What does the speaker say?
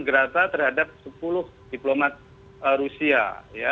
grata terhadap sepuluh diplomat rusia ya